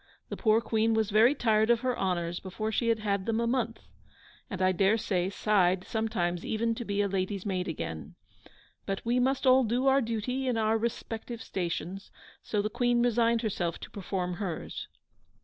The poor Queen was very tired of her honours before she had had them a month, and I dare say sighed sometimes even to be a lady's maid again. But we must all do our duty in our respective stations, so the Queen resigned herself to perform hers.